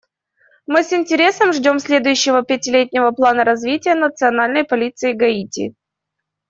Мы с интересом ждем следующего пятилетнего плана развития Национальной полиции Гаити.